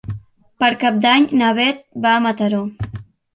Per Cap d'Any na Beth va a Mataró.